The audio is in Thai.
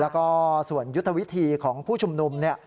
แล้วก็ส่วนยุทธวิธีของผู้ชุมนุมเนี่ย